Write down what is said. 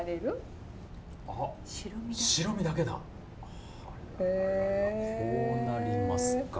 はあこうなりますか。